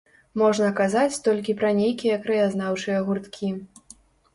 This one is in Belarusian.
Можна казаць толькі пра нейкія краязнаўчыя гурткі.